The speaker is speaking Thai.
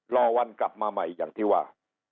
รอวันกลับมาใหม่อย่างที่ว่า